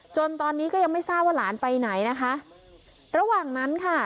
จนตอนนี้ก็ยังไม่ทราบว่าหลานไปไหนนะคะระหว่างนั้นค่ะ